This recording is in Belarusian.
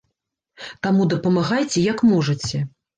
Таму дапамагайце як можаце.